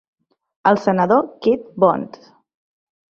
El senador Kid Bond.